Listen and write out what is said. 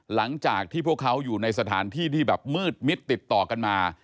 หลังจากที่พวกเขาอยู่ในสถานที่ที่แบบมืดมิดติดต่อกันมา